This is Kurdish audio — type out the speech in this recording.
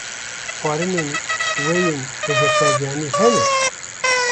Xwarinên we yên vejeteryanî hene?